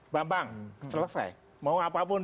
bambang selesai mau apapun